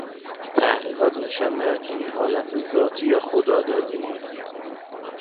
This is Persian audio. تحقیقات نشان می دهد این حالت ذاتی یا خدادادی نیست